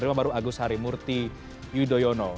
nomor lima baru agus harimurti yudhoyono